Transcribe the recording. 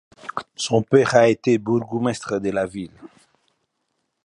Son père a été bourgmestre de la ville.